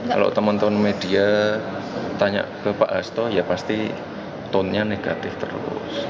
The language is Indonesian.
kalau teman teman media tanya ke pak hasto ya pasti tone nya negatif terus